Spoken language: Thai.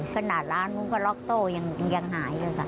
ขนาดร้านมันก็ล๊อคโซ่ยังหายเลยครับ